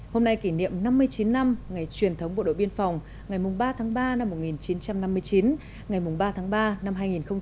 hôm nay kỷ niệm năm mươi chín năm ngày truyền thống bộ đội biên phòng ngày ba tháng ba năm một nghìn chín trăm năm mươi chín ngày ba tháng ba năm hai nghìn một mươi chín